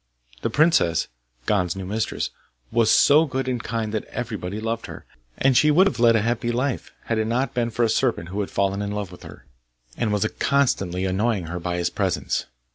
The princess, Gon's new mistress, was so good and kind that everybody loved her, and she would have led a happy life, had it not been for a serpent who had fallen in love with her, and was constantly annoying her by his presence.